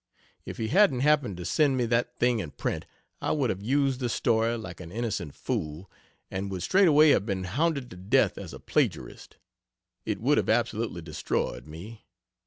If he hadn't happened to send me that thing in print, I would have used the story (like an innocent fool) and would straightway have been hounded to death as a plagiarist. It would have absolutely destroyed me.